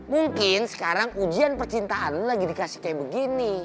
mungkin sekarang ujian percintaan lagi dikasih kayak begini